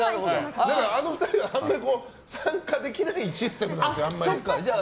だからあの２人はあんまり参加できないシステムなんですよ。